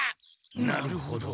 なるほど。